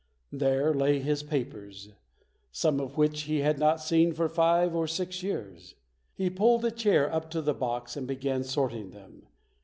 There lay his papers, some of which he had not seen for five or six years. He pulled a chair up to the box and began sorting them.